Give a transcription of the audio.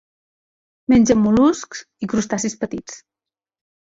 Mengen mol·luscs i crustacis petits.